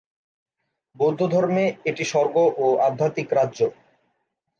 বৌদ্ধধর্মে এটি স্বর্গ ও আধ্যাত্মিক রাজ্য।